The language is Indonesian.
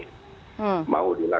pertanyaan yang kita inginkan